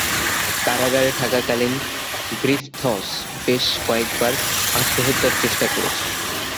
কারাগারে থাকাকালীন গ্রিফিথস বেশ কয়েকবার আত্মহত্যার চেষ্টা করেছেন।